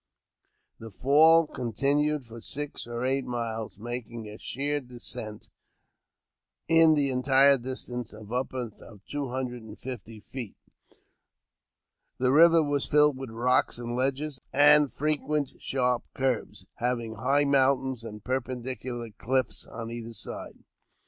This fall continued for six or eight miles, making a sheer descent, in the entire distance, of upward of two hundred and fifty feet. The river was filled with rocks and ledges, and frequent sharp curves, having high mountains and perpendicular cliffs on either side.